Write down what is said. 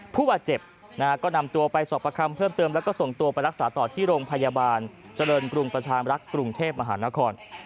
ผู้บาดเจ็บนะฮะก็นำตัวไปสอบประคำเพิ่มเติมแล้วก็ส่งตัวไปรักษาต่อที่โรงพยาบาลเจริญกรุงประชามรักษ์กรุงเทพมหานคร